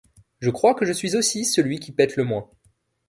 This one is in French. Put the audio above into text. Je crois que je suis aussi celui qui pète le moins.